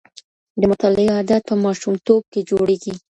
د مطالعې عادت په ماشومتوب کي جوړېږي.